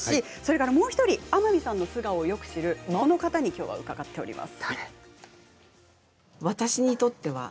もう１人、天海さんの素顔をよく知る方にお話を伺っています。